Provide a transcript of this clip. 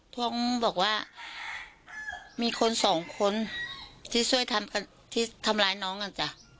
ท้วงบอกว่ามีคนสองคนที่ช่วยทำร้ายน้องกัน